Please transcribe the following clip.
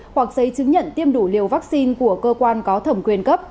hoặc giấy chứng nhận tiêm đủ liều vaccine của cơ quan có thẩm quyền cấp